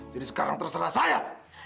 jadi sekarang terserah saya